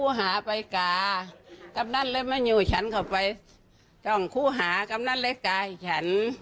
เอาไปฟังเสียงทั้งสองคนกันหน่อย